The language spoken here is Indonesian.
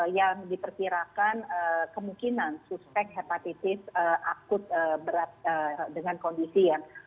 yang diperkirakan kemungkinan suspek hepatitis akut berat dengan kondisi yang